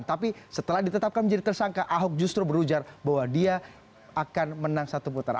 tapi setelah ditetapkan menjadi tersangka ahok justru berujar bahwa dia akan menang satu putaran